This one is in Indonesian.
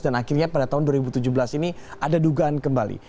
dan akhirnya pada tahun dua ribu tujuh belas ini ada dugaan kembali